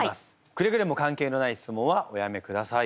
くれぐれも関係のない質問はおやめください。